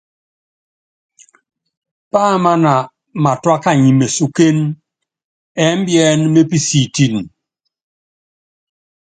Páámána matúá kany mesukén ɛ́mbíɛ́n mépísíítín.